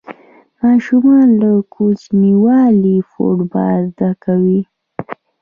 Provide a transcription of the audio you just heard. ماشومان له کوچنیوالي فوټبال زده کوي.